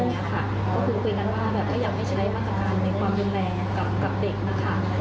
ก็คือคุยกันว่าแบบไม่อยากให้ใช้มาตรการในความรุนแรงกับเด็กนะคะ